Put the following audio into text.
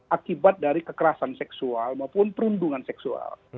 akibat dari kekerasan seksual maupun perundungan seksual